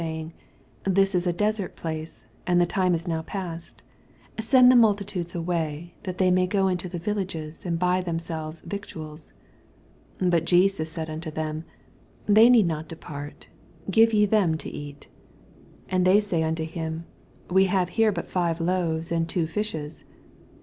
saying, This is a desert place, and toe time is now past ; send the multitude away, that they may go into the villages, and boy themselves victuals. 16 Bat Jesus said unto them, They need not depart ; give ye them to eat. 17 And they say unto him, We have b«re but five loaves, and two fishes.